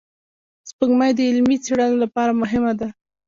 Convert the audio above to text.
سپوږمۍ د علمي څېړنو لپاره مهمه ده